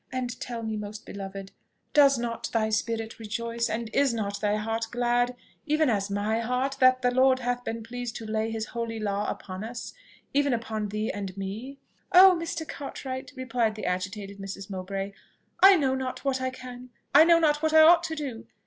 And tell me, most beloved! does not thy spirit rejoice, and is not thy heart glad, even as my heart, that the Lord hath been pleased to lay his holy law upon us even upon thee and me?" "Oh, Mr. Cartwright!" replied the agitated Mrs. Mowbray, "I know not what I can I know not what I ought to do.